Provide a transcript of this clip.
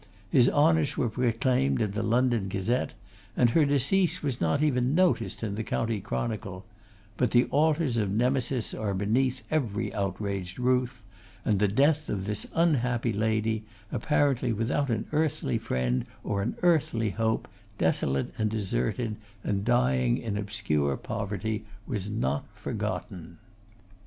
His honours were proclaimed in the London Gazette, and her decease was not even noticed in the County Chronicle; but the altars of Nemesis are beneath every outraged roof, and the death of this unhappy lady, apparently without an earthly friend or an earthly hope, desolate and deserted, and dying in obscure poverty, was not forgotten.